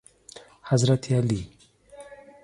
حضرت علی